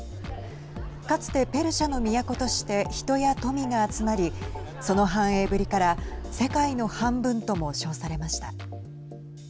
かつて、ペルシャの都として人や富が集まりその繁栄ぶりから世界の半分とも称されました。